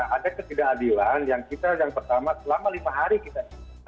ada ketidakadilan yang kita yang pertama selama lima hari kita